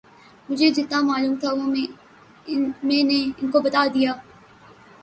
مجھے جتنا معلوم تھا وہ میں نے ان کو بتا دیا